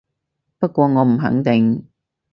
不過我唔肯定